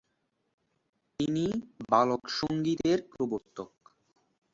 তিনি ‘বালক সঙ্গীতে’র প্রবর্তক।